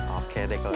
oke deh kalau gitu